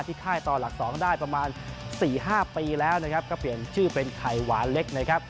ค่ายต่อหลัก๒ได้ประมาณ๔๕ปีแล้วนะครับก็เปลี่ยนชื่อเป็นไข่หวานเล็กนะครับ